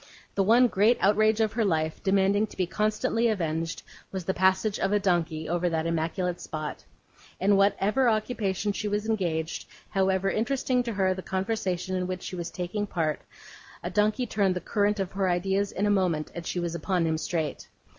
The one great outrage of her life, demanding to be constantly avenged, was the passage of a donkey over that immaculate spot. In whatever occupation she was engaged, however interesting to her the conversation in which she was taking part, a donkey turned the current of her ideas in a moment, and she was upon him straight.